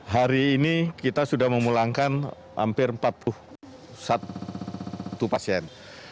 hari ini kita sudah memulangkan hampir empat puluh satu pasien